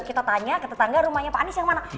kita tanya ke tetangga rumahnya pak anies yang mana